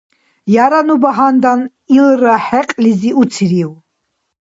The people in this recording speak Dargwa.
Яра ну багьандан илра хӏекьлизи уцирив?